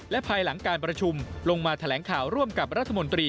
และภายหลังการประชุมลงมาแถลงข่าวร่วมกับรัฐมนตรี